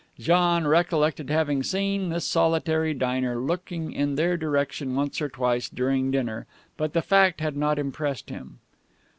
John, recollected having seen this solitary diner looking in their direction once or twice during dinner, but the fact had not impressed him.